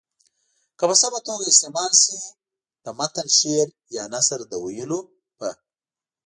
که په سمه توګه استعمال سي د متن شعر یا نثر د ویلو په